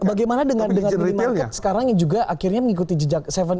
bagaimana dengan minimarket sekarang yang juga akhirnya mengikuti jejak tujuh sebelas